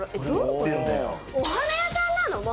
お花屋さんなの？